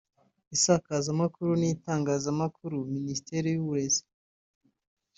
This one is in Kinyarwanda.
isakazamakuru n’itangazamakuru; Minisitiri w’Uburezi